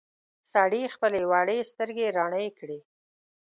سړي خپلې وړې سترګې رڼې کړې.